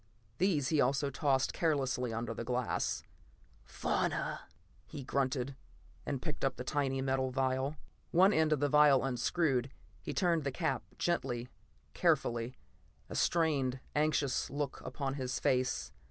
These he also tossed carelessly under the glass. "Fauna," he grunted, and picked up the tiny metal vial. One end of the vial unscrewed. He turned the cap gently, carefully, a strained, anxious look upon his face.